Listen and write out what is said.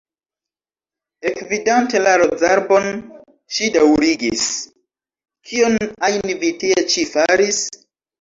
Ekvidante la rozarbon, ŝi daŭrigis: "Kion ajn vi tie ĉi faris?"